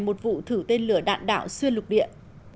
một vụ thử tên lửa đạn đạo xuyên lục địa